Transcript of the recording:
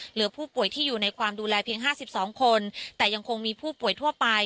เหลือผู้ป่วยที่อยู่ในความดูแลเพียง๕๒คนแต่ยังคงมีผู้ป่วยทั่วไป